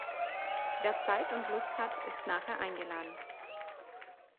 Wer Zeit und Lust hat, ist nachher eingeladen.